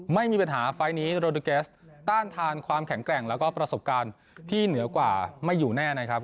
ไม่มีปัญหาไฟล์นี้โรดิเกสต้านทานความแข็งแกร่งแล้วก็ประสบการณ์ที่เหนือกว่าไม่อยู่แน่นะครับ